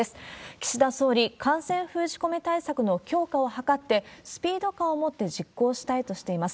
岸田総理、感染封じ込め対策の強化を図って、スピード感を持って実行したいとしています。